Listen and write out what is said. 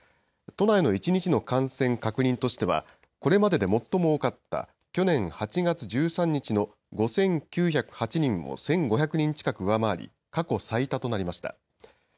都内の１日の感染確認としては、これまでで最も多かった、去年８月１３日の５９０８人を１５００人近く上回り、過去最多となりました。